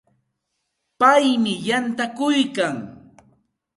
Paymi yantakuykan.